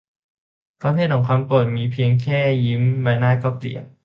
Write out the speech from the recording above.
ประเภทของความโกรธเพียงแค่ยิ้มใบหน้าก็เปลี่ยน